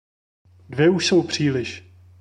Dvě už jsou příliš.